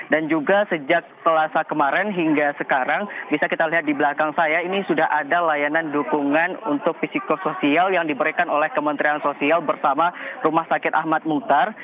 dan juga sejak pelasa kemarin hingga sekarang bisa kita lihat di belakang saya ini sudah ada layanan dukungan untuk fisiko sosial yang diberikan oleh kementerian sosial bersama rumah sakit ahmad mungtar